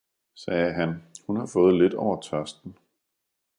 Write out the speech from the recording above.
sagde han, hun har fået lidt over tørsten.